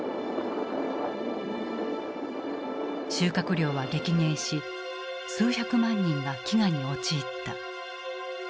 収穫量は激減し数百万人が飢餓に陥った。